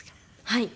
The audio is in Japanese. はい。